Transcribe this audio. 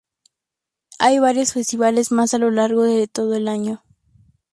Hay varios festivales más a lo largo de todo el año.